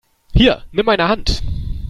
Hier, nimm meine Hand!